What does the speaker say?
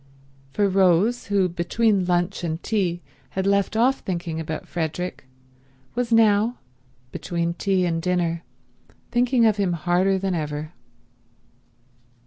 For Rose, who between lunch and tea had left off thinking about Frederick, was now, between tea and dinner, thinking of him harder than ever.